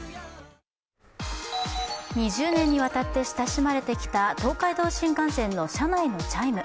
２０年にわたって親しまれてきた東海道新幹線の車内のチャイム。